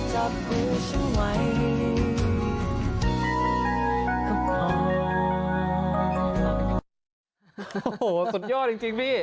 โอ้โหสุดยอดจริงพี่